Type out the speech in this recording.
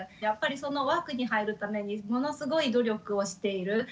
やっぱりその枠に入るためにものすごい努力をしている。